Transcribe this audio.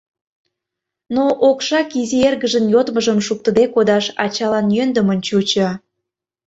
Но окшак изи эргыжын йодмыжым шуктыде кодаш ачалан йӧндымын чучо.